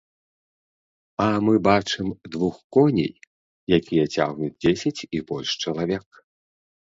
А мы бачым двух коней, якія цягнуць дзесяць і больш чалавек.